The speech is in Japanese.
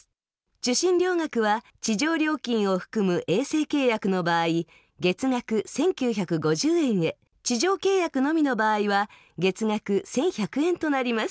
受信料額は地上料金を含む衛星契約の場合月額１９５０円へ地上契約のみの場合は月額１１００円となります。